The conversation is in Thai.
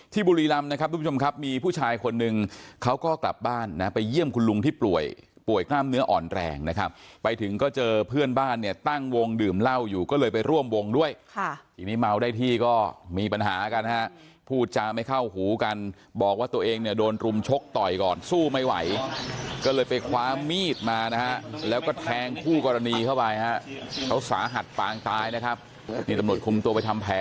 ที่บุรีลำนะครับทุกผู้ชมครับมีผู้ชายคนหนึ่งเขาก็กลับบ้านนะไปเยี่ยมคุณลุงที่ป่วยป่วยกล้ามเนื้ออ่อนแรงนะครับไปถึงก็เจอเพื่อนบ้านเนี่ยตั้งวงดื่มเหล้าอยู่ก็เลยไปร่วมวงด้วยค่ะทีนี้เมาได้ที่ก็มีปัญหากันฮะพูดจะไม่เข้าหูกันบอกว่าตัวเองเนี่ยโดนรุมชกต่อยก่อนสู้ไม่ไหวก็เลยไปคว้ามมีดมานะฮะแล